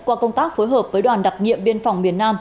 qua công tác phối hợp với đoàn đặc nhiệm biên phòng miền nam